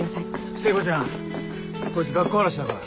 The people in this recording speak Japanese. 聖子ちゃんこいつ学校荒らしだから。